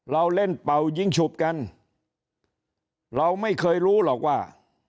เราเล่นเป่ายิงฉุบกันเราไม่เคยรู้หรอกว่า